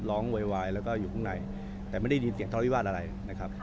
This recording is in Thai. โวยวายแล้วก็อยู่ข้างในแต่ไม่ได้ยินเสียงทะเลาวิวาสอะไรนะครับ